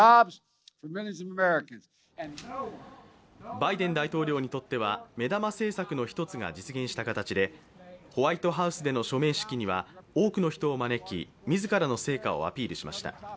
バイデン大統領にとっては目玉政策の一つが実現した形でホワイトハウスでの署名式には多くの人を招き自らの成果をアピールしました。